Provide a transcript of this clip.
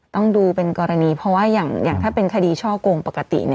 ต้องดูเป็นกรณีเพราะว่าอย่างถ้าเป็นคดีช่อกงปกติ